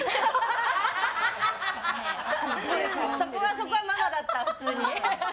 そこはママだった、普通に。